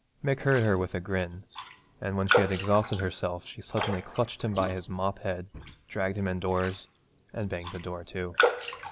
Mick heard her with a grin, and when she had exhausted herself she suddenly clutched him by his mop head, dragged him indoors, and banged the door to.